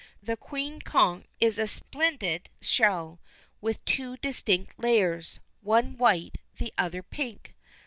The "queen conch" is a splendid shell, with two distinct layers, one white, the other pink.